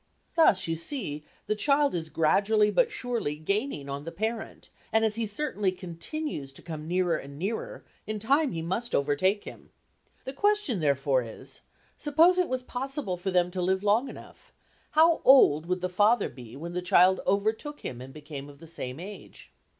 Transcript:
Thus you see, the child is gradually but surely gaining on the parent, and as he certainly continues to come nearer and nearer, in time he must overtake him. The question therefore is, suppose it was possible for them to live long enough, how old would the father be when the child overtook him and became of the same age?"